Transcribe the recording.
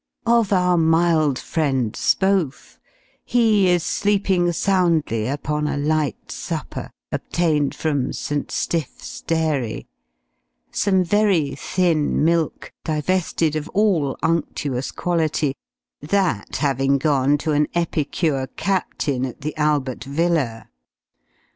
Of our mild friend, Spohf, he is sleeping soundly upon a light supper obtained from "St. Stiff's dairy" some very thin milk, divested of all unctuous quality that having gone to an epicure Captain, at the Albert Villa.